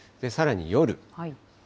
さらに夜。